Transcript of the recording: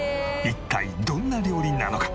一体どんな料理なのか？